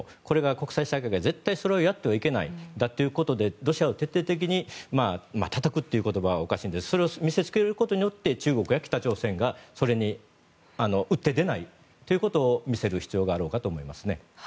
国際社会が絶対やってはいけないんだということでロシアを徹底的に、たたくという言葉はおかしいですがそれを見せつけることによって中国や北朝鮮がそれに打って出ないということを見せる必要があろうかと思いますね。